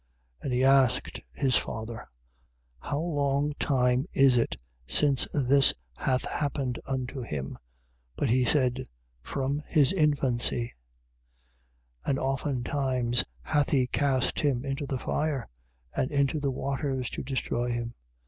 9:20. And he asked his father: How long time is it since this hath happened unto him? But he sad: From his infancy. 9:21. And oftentimes hath he cast him into the fire and into the waters to destroy him.